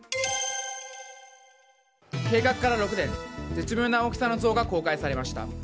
計画から６年、絶妙な大きさの像が公開されました。